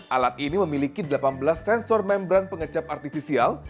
alat ini memiliki delapan belas sensor membran pengecap artifisial